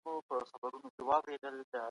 د انساني حقونو ساتل د ټولو ګډ مسووليت دی.